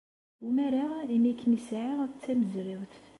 Umareɣ imi ay kem-sɛiɣ d tamezrawt.